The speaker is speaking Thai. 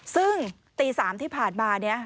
ซึ่งตี๓ที่ผ่านมาเนี่ย